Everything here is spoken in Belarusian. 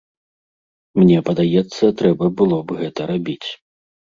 Мне падаецца, трэба было б гэта рабіць.